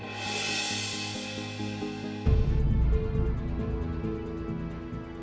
saya sudah berusia lima belas tahun